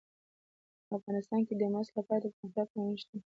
افغانستان کې د مس لپاره دپرمختیا پروګرامونه شته.